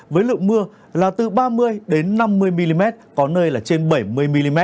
với lượng mưa là từ ba mươi năm mươi mm có nơi là trên bảy mươi mm